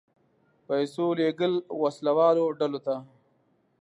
پیسو لېږل وسله والو ډلو ته.